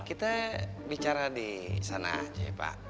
kita bicara di sana aja ya pak